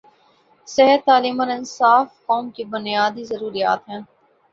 صحت، تعلیم اور انصاف قوم کی بنیادی ضروریات ہیں۔